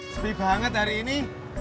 sepi banget hari ini